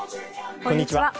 こんにちは。